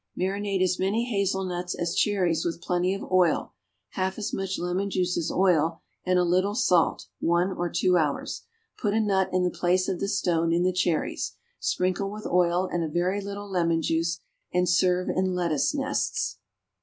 Marinate as many hazelnuts as cherries with plenty of oil, half as much lemon juice as oil, and a little salt, one or two hours. Put a nut in the place of the stone in the cherries. Sprinkle with oil and a very little lemon juice, and serve in lettuce nests.